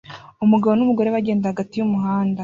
Umugabo numugore bagenda hagati yumuhanda